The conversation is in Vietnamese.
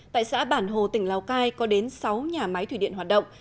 tại xã bản hồ tỉnh lào cai có đến sáu nhà máy thủy điện hoạt động